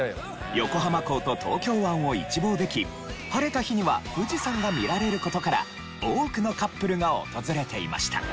横浜港と東京湾を一望でき晴れた日には富士山が見られる事から多くのカップルが訪れていました。